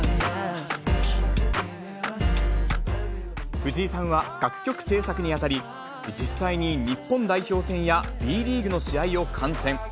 藤井さんは楽曲制作にあたり、実際に日本代表戦やＢリーグの試合を観戦。